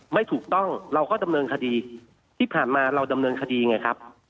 ไม่ถูกต้องเราก็ดำเนินคดีที่ผ่านมาเราดำเนินคดีไงครับ